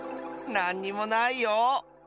なんにもないよ！